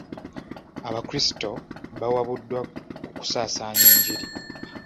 Abakrisito bawabuddwa ku kusaasaanya enjiri.